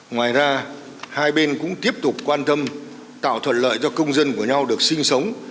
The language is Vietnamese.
ngoài ra hai bên cũng tiếp tục quan tâm tạo thuận lợi cho công dân của nhau được sinh sống